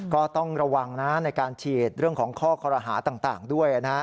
ก็ต้องระวังนะในการฉีดเรื่องของข้อคอรหาต่างด้วยนะฮะ